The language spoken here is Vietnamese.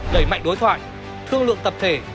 đẩy mạnh đối thoại thương lượng tập thể